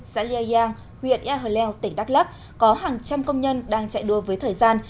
xã lê yang huyện ea hờ leo tỉnh đắk lắk có hàng trăm công nhân đang chạy đua với thời gian